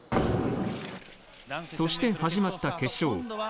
そして始まった決勝。